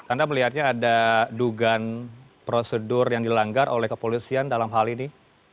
anda melihatnya ada dugaan prosedur yang dilanggar oleh kepolisian dalam hal ini